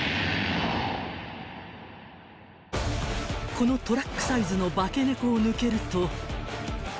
［このトラックサイズの化け猫を抜けると］